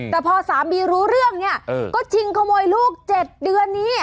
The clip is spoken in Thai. แต่พอสามีรู้เรื่องเนี่ยก็ชิงขโมยลูก๗เดือนนี้